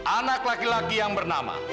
anak laki laki yang bernama